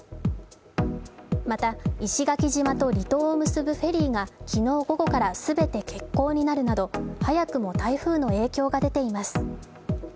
また、石垣島と離島を結ぶフェリーが昨日午後からすべて欠航になるなど早くも台風の影響が出ています。